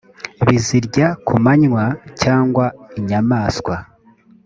bizirya ku manywa cyangwa inyamaswa